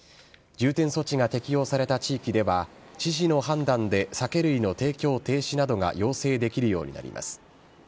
重点措置が適用された地域では、知事の判断で酒類の提供停止などが要請できるようになります。